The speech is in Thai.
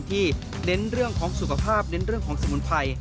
เน้นเรื่องของสุขภาพเน้นเรื่องของสมุนไพร